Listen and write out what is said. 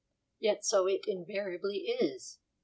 Yet so it invariably is.